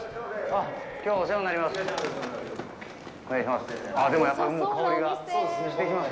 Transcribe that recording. きょうはお世話になります。